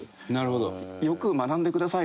よく学んでください